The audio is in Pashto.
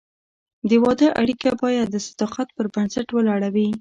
د واده اړیکه باید د صداقت پر بنسټ ولاړه وي.